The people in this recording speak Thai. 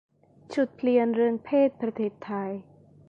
จุดเปลี่ยนเรื่องเพศประเทศไทย